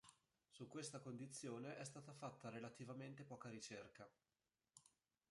Su questa condizione è stata fatta relativamente poca ricerca.